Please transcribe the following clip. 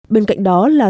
bên cạnh đó là